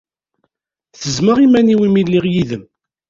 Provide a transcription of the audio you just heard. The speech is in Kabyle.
tezzmeɣ iman-iw imi lliɣ yid-m.